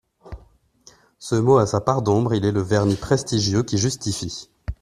Ce mot a sa part d'ombre, il est le vernis prestigieux qui justifie